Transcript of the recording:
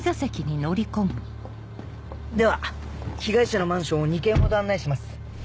では被害者のマンションを２件ほど案内します。